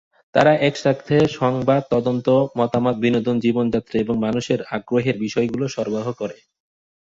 তারা একসাথে সংবাদ, তদন্ত, মতামত, বিনোদন, জীবনযাত্রা এবং মানুষের আগ্রহের বিষয়গুলি সরবরাহ করে।